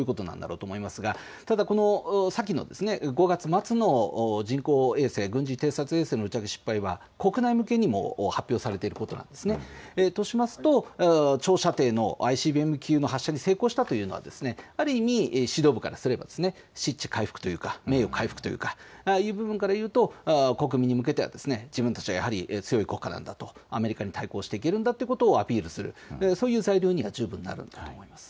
ただこの、先の５月末の人工衛星、軍事偵察衛星の発射の失敗は国内向けにも発表されていることです。としますと長射程のＩＣＢＭ級の発射に成功したというのはある意味、指導部からすれば名誉回復というか、そういう部分からいうと国民に向けては自分たちはやはり強い国家なんだとアメリカに対抗していけるのだということをアピールする、そういう材料にも十分なったと思います。